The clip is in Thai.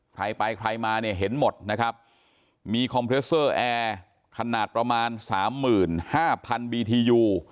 ใครไปใครมาเนี่ยเห็นหมดนะครับมีคอมเพรสเซอร์แอร์ขนาดประมาณสามหมื่นห้าพันบีทียู